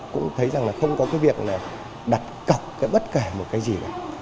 cũng thấy rằng không có việc đặt cọc bất kể một cái gì